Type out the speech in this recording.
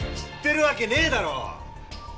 知ってるわけねえだろ！